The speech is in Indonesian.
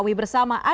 seperti apa tuh